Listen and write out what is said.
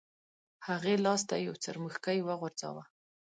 هغې لاس ته یو څرمښکۍ وغورځاوه.